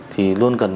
thì luôn cần